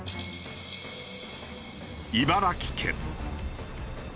茨城県。